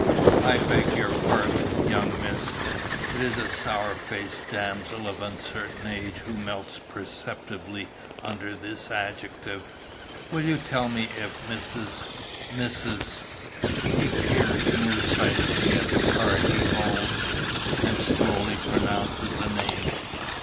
"I beg your pardon, young Miss." It is a sour faced damsel of uncertain age who melts perceptibly under this adjective. "Will you tell me if Mrs. Mrs. " He peers near sightedly at the card he holds, and slowly pronounces a name.